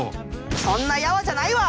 そんなヤワじゃないわ！